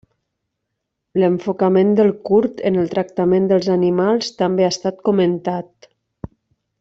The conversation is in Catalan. L'enfocament del curt en el tractament dels animals també ha estat comentat.